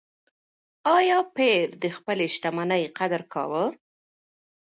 ایا پییر د خپلې شتمنۍ قدر کاوه؟